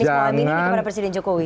terima kasih kepada presiden jokowi